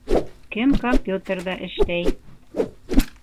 Кем компьютерҙа эшләй?